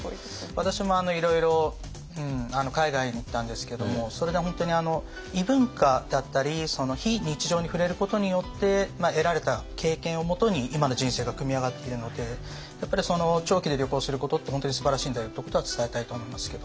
私もいろいろ海外に行ったんですけどもそれで本当に異文化だったり非日常に触れることによって得られた経験をもとに今の人生が組み上がっているのでやっぱり長期で旅行することって本当にすばらしいんだよってことは伝えたいと思いますけど。